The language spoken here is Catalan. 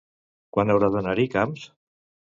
Quan haurà d'anar-hi Camps?